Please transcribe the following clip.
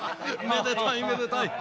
めでたいめでたい。